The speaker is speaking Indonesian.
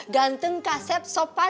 ganteng kaset sopan